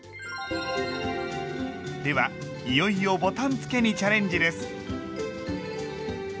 ではいよいよボタンつけにチャレンジです。